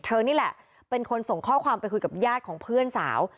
นี่แหละเป็นคนส่งข้อความไปคุยกับญาติของเพื่อนสาว